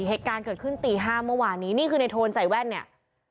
เหตุการณ์เกิดขึ้นตี๕เมื่อวานนี้นี่คือในโทนใส่แว่นเนี่ย